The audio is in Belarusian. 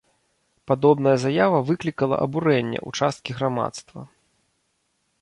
Падобная заява выклікала абурэнне ў часткі грамадства.